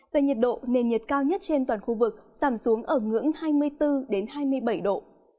về nhiệt độ nền nhiệt cao nhất trên toàn khu vực giảm xuống ở ngưỡng hai mươi bốn hai mươi bảy độ